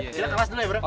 silahkan kelas dulu ya bro